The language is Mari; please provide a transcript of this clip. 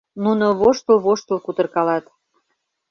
Нуно воштыл-воштыл кутыркалат.